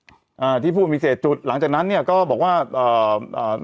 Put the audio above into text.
อ่าที่พูดมี๑๑จุดหลังจากนั้นเนี่ยก็บอกว่าอ่า